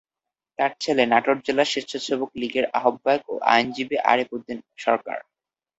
তার ছেলে নাটোর জেলা স্বেচ্ছাসেবক লীগের আহ্বায়ক ও আইনজীবী আরিফ উদ্দিন সরকার।